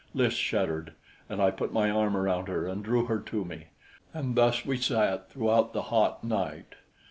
Lys shuddered, and I put my arm around her and drew her to me; and thus we sat throughout the hot night.